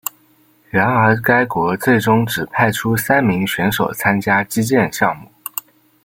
然而该国最终只派出三名选手参加击剑项目。